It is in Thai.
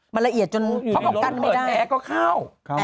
มันละเอียดจนกั้นไม่ได้เขาบอกว่าเปิดแอร์ก็เข้า